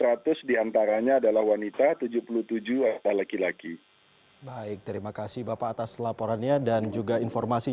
dan seratus diantaranya adalah wanita tujuh puluh tujuh atau laki laki